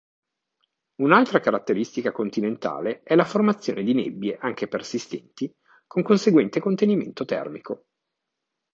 Un'altra caratteristica continentale è la formazione di nebbie anche persistenti con conseguente contenimento termico.